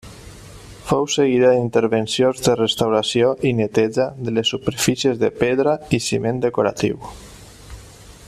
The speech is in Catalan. Fou seguida d'intervencions de restauració i neteja de les superfícies de pedra i ciment decoratiu.